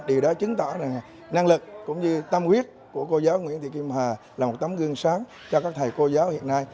điều đó chứng tỏ là năng lực cũng như tâm quyết của cô giáo nguyễn thị kim hà là một tấm gương sáng cho các thầy cô giáo hiện nay